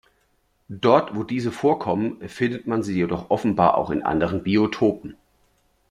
Dort wo diese vorkommen findet man sie jedoch offenbar auch in anderen Biotopen.